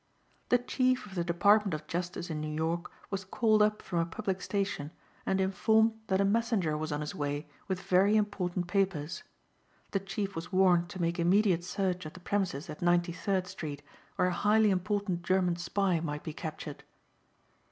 The chief of the Department of Justice in New York was called up from a public station and informed that a messenger was on his way with very important papers. The chief was warned to make immediate search of the premises at Ninety third Street where a highly important German spy might be captured.